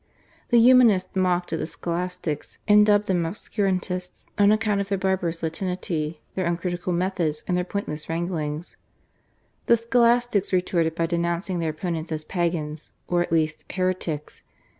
The Humanists mocked at the Scholastics and dubbed them obscurantists on account of their barbarous Latinity, their uncritical methods, and their pointless wranglings; the Scholastics retorted by denouncing their opponents as pagans, or, at least, heretics.